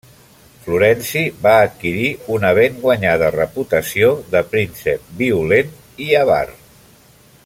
Florenci va adquirir una ben guanyada reputació de príncep violent i avar.